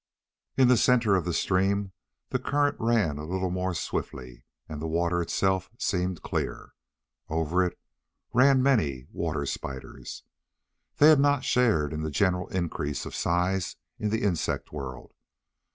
In the center of the stream the current ran a little more swiftly and the water itself seemed clear. Over it ran many water spiders. They had not shared in the general increase of size in the insect world.